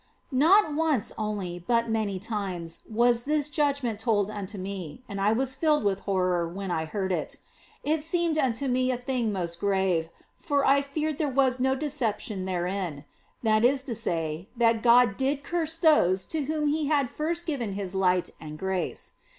Not once only, but many times, was this judgment told unto me, and I was filled with horror when I heard it ; it seemed unto me a thing most grave, for I feared there was no deception therein that is to say, that God did curse those to whom He had first given His light and grace.